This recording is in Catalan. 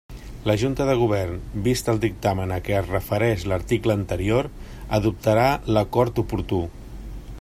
La Junta de Govern, vist el dictamen a què es refereix l'article anterior, adoptarà l'acord oportú.